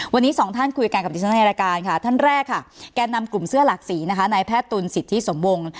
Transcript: วันนี้๒ท่านคุยกันกับดิจินในราการท่านแรกแกดนำกลุ่มเสื้อหลักสีในแพทย์ตุญสิทธิสมวง